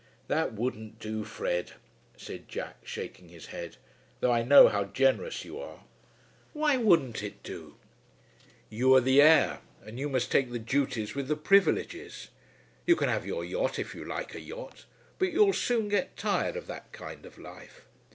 "That wouldn't do, Fred," said Jack, shaking his head, "though I know how generous you are." "Why wouldn't it do?" "You are the heir, and you must take the duties with the privileges. You can have your yacht if you like a yacht, but you'll soon get tired of that kind of life.